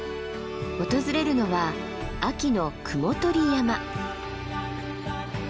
訪れるのは秋の雲取山。